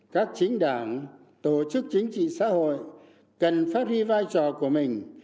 các chính đảng tổ chức chính trị xã hội cần phát huy vai trò của mình